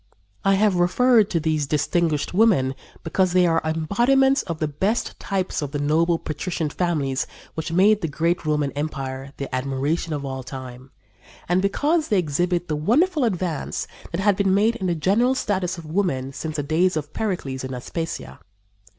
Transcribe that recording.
I have referred to these distinguished women because they are embodiments of the best types of the noble, patrician families who made the great Roman empire the admiration of all time, and because they exhibit the wonderful advance that had been made in the general status of women since the days of Pericles and Aspasia.